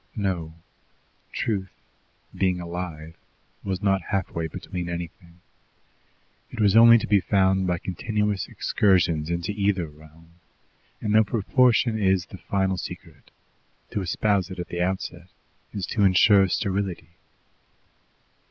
No; truth, being alive, was not halfway between anything. It was only to be found by continuous excursions into either realm, and though proportion is the final secret, to espouse it at the outset is to insure sterility.